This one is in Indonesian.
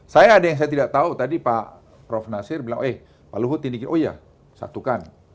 saya ada yang saya tidak tahu tadi pak prof nasir bilang eh pak luhut ini oh iya satukan